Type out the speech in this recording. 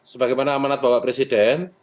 sebagaimana amanat bapak presiden